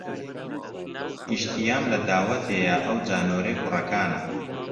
ئیشتیام لە داوەتێ یە ئەو جار نۆرەی کوڕەکانە